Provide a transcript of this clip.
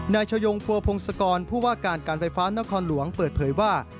นายชโยงภัวพงศกรผู้ว่าการการไฟฟ้านครหลวงเปิดเผยว่า